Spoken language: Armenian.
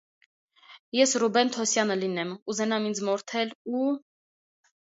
ես Ռուբեն Թուսյանը լինեմ, ուզենամ ինձ մորթել ու…